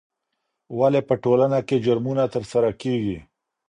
ولې په ټولنه کې جرمونه ترسره کیږي؟